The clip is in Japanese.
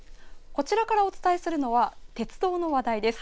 こちらからお伝えするの鉄道の話題です。